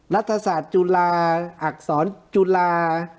รัฐศาสตร์จุฬาอักษรจุฬา